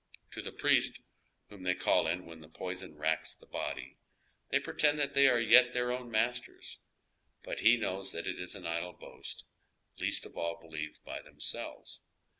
To the priest, whom they call in when the poison racks the body, they pretend that they are yet their own masters ; but he knows that it is an idle boast, least of all believed by themselves.